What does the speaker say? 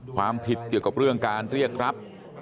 ความผิดเกี่ยวกับเรื่องการเรียกรับ